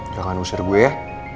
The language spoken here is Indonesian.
jangan usir gue ya